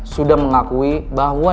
sudah mengakui bahwa